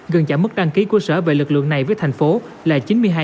gần chạm mức đăng ký của sở về lực lượng này với thành phố là chín mươi hai